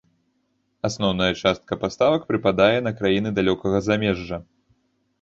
Асноўная частка паставак прыпадае на краіны далёкага замежжа.